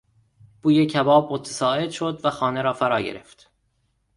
بوی کباب متصاعد شد و خانه را فراگرفت.